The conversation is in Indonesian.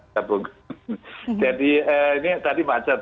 jadi ini tadi macet